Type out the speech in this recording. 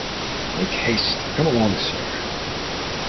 Make haste. Come along, Sir.